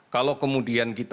kalau kemudian kita